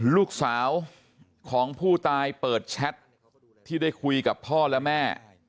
ลูกสาวของผู้ตายเปิดแชทที่ได้คุยกับพ่อและแม่